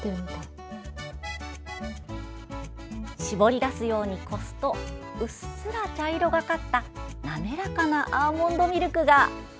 搾り出すように、こすとうっすら茶色がかった滑らかなアーモンドミルクが。